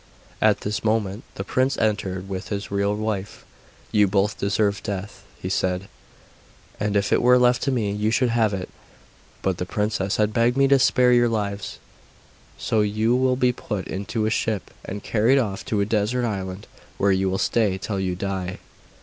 At this moment the prince entered with his real wife. 'You both deserved death,' he said, 'and if it were left to me, you should have it. But the princess has begged me to spare your lives, so you will be put into a ship and carried off to a desert island, where you will stay till you die.